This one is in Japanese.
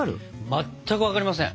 まったく分かりません。